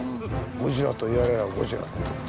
ゴジラと言われりゃゴジラだよ。